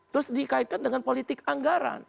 terus dikaitkan dengan politik anggaran